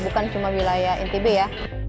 ini cuma wilayah inti b ya